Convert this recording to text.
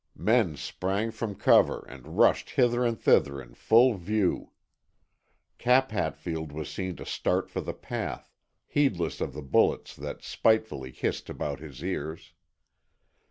Men sprang from cover and rushed hither and thither in full view. Cap Hatfield was seen to start for the path, heedless of the bullets that spitefully hissed about his ears.